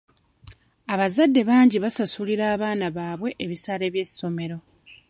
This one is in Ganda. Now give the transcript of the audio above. Abazadde bangi baasasulira abaana baabwe ebisale by'essomero.